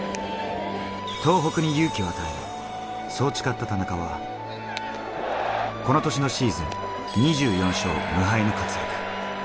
東北に勇気を与え、そう誓った田中はこの年のシーズン、２４勝無敗の活躍。